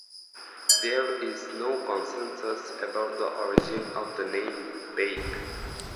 There is no consensus about the origin of the name "Babe".